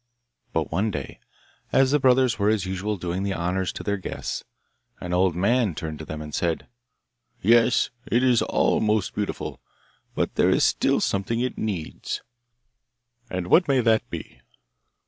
But one day, as the brothers were as usual doing the honours to their guests, an old man turned to them and said, 'Yes, it is all most beautiful, but there is still something it needs!' 'And what may that be?